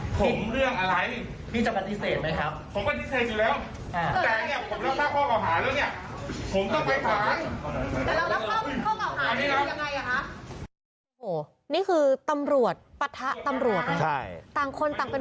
นายต้องจับคุมผมเรื่องอะไรเนี่ย